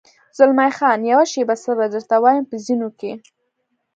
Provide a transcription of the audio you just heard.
زلمی خان: یوه شېبه صبر، درته وایم، په زینو کې.